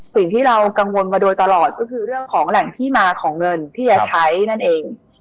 สิ่งที่เรากังวลมาโดยตลอดก็คือเรื่องของแหล่งที่มาของเงินที่จะใช้นั่นเอง